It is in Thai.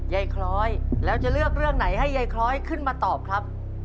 ยายคล้อยแล้วจะเลือกเรื่องไหนให้ยายคล้อยขึ้นมาตอบครับ